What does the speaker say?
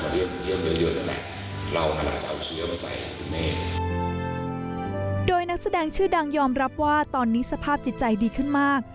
โดยนักแสดงชื่อดังยอมรับว่าตอนนี้สภาพจิตใจดีขึ้นมาก